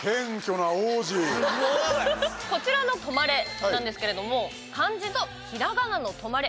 こちらの「とまれ」なんですけれども漢字とひらがなの「止まれ」